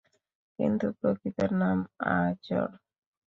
কিন্তু প্রকৃত নাম আযর।